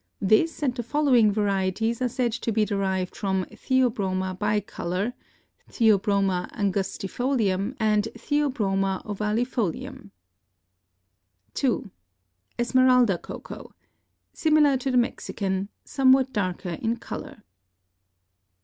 This and the following varieties are said to be derived from Theobroma bicolor, Th. angustifolium and Th. ovalifolium. 2. Esmeralda Cocoa.—Similar to the Mexican; somewhat darker in color.